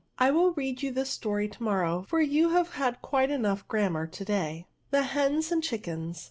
I will read you this story to morrow, for you have had quite enough grammar to day." THE HEN AND CHICKENS.